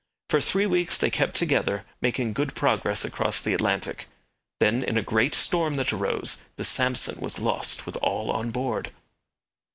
For three weeks they kept together, making good progress across the Atlantic. Then in a great storm that arose the Samson was lost with all on board.